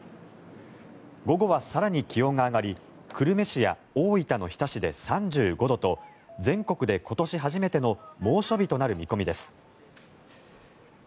午後は更に気温が上がり久留米市や大分の日田市で３５度と全国で今年初めての猛暑日となる見込みです。